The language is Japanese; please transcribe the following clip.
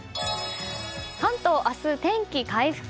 関東明日、天気回復。